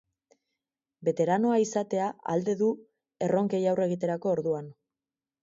Beteranoa izatea alde du erronkei aurre egiterako orduan.